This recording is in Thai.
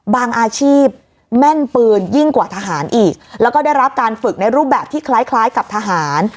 อาชีพแม่นปืนยิ่งกว่าทหารอีกแล้วก็ได้รับการฝึกในรูปแบบที่คล้ายคล้ายกับทหาร